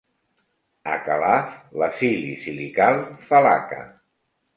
A Calaf, l'Acili. si li cal, fa laca.